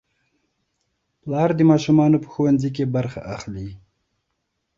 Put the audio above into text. پلار د ماشومانو په ښوونځي کې برخه اخلي